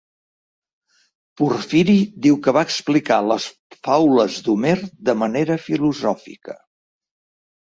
Porfiri diu que va explicar les faules d'Homer de manera filosòfica.